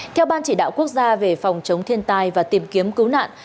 theo ban chỉ đạo quốc gia về phòng chống thiên tai và tìm kiếm cứu nạn